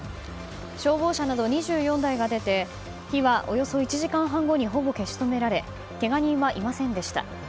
消防車など２４台が出て火は、およそ１時間半後にほぼ消し止められけが人はいませんでした。